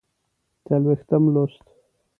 څلوېښتم لوست